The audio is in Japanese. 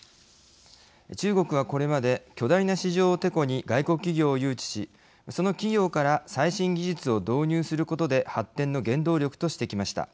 中国はこれまで巨大な市場をてこに外国企業を誘致しその企業から最新技術を導入することで発展の原動力としてきました。